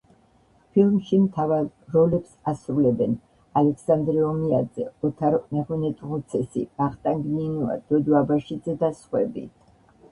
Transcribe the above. ფილმში მთავარ როლებს ასრულებენ: ალექსანდრე ომიაძე, ოთარ მეღვინეთუხუცესი, ვახტანგ ნინუა, დოდო აბაშიძე და სხვები.